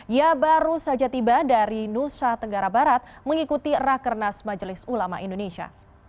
ia baru saja tiba dari nusa tenggara barat mengikuti rakernas majelis ulama indonesia